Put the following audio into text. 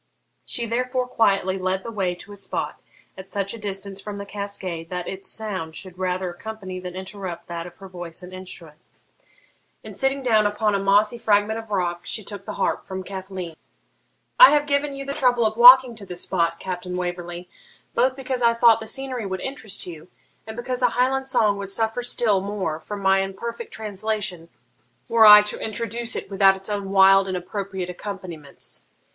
She therefore quietly led the way to a spot at such a distance from the cascade that its sound should rather accompany than interrupt that of her voice and instrument, and, sitting down upon a mossy fragment of rock, she took the harp from Cathleen. 'I have given you the trouble of walking to this spot, Captain Waverley, both because I thought the scenery would interest you, and because a Highland song would suffer still more from my imperfect translation were I to introduce it without its own wild and appropriate accompaniments.